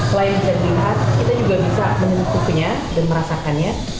selain bisa dilihat kita juga bisa menutupnya dan merasakannya